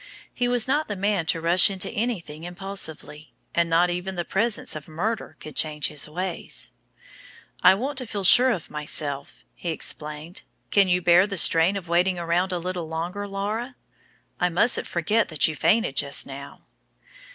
He was not the man to rush into anything impulsively, and not even the presence of murder could change his ways. "I want to feel sure of myself," he explained. "Can you bear the strain of waiting around a little longer, Laura? I mustn't forget that you fainted just now."